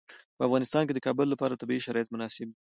په افغانستان کې د کابل لپاره طبیعي شرایط مناسب دي.